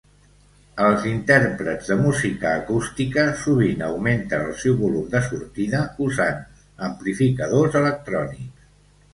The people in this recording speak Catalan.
Els intèrprets de música acústica sovint augmenten el seu volum de sortida usant amplificadors electrònics.